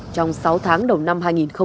trong sáu tháng đầu năm hai nghìn hai mươi